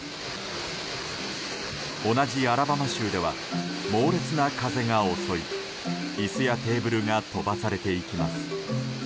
同じアラバマ州では猛烈な風が襲い椅子やテーブルが飛ばされていきます。